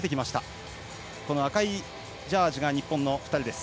赤いジャージが日本の２人です。